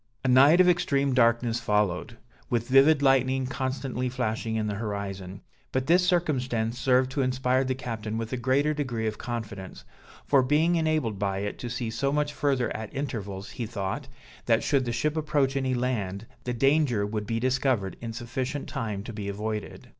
A night of extreme darkness followed, with vivid lightning constantly flashing in the horizon; but this circumstance served to inspire the captain with a greater degree of confidence; for being enabled by it to see so much further at intervals, he thought, that should the ship approach any land, the danger would be discovered in sufficient time to be avoided.